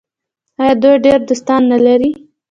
آیا دوی ډیر دوستان نلري؟